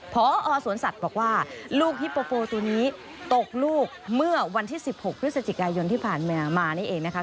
พอสวนสัตว์บอกว่าลูกฮิปโปโปตัวนี้ตกลูกเมื่อวันที่๑๖พฤศจิกายนที่ผ่านมามานี่เองนะคะ